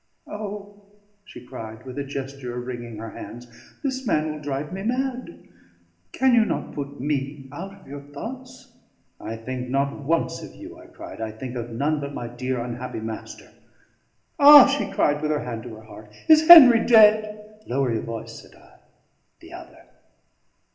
"O!" she cried, with a gesture of wringing her hands, "this man will drive me mad! Can you not put me out of your thoughts?" "I think not once of you," I cried. "I think of none but my dear unhappy master." "Ah!" she cried, with her hand to her heart, "is Henry dead?" "Lower your voice," said I. "The other."